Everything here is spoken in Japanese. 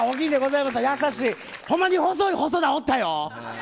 ほんまに細い細田がおったよ。